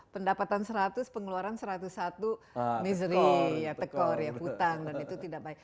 pendapatan seratus pengeluaran satu ratus satu misry tekor ya hutang dan itu tidak baik